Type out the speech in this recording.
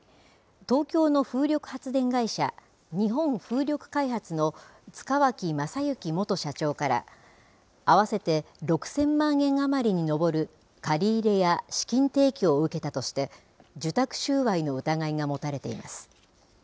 東京の風力発電会社日本風力開発の塚脇正幸元社長から合わせて６０００万円余りに上る借り入れや資金提供を受けたとして受託収賄の疑いが持たれています。